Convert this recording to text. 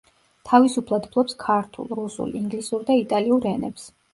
თავისუფლად ფლობს ქართულ, რუსულ, ინგლისურ და იტალიურ ენებს.